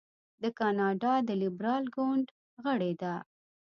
د کاناډا د لیبرال ګوند غړې ده.